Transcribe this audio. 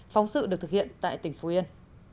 phóng sự được thực hiện tại tỉnh phú yên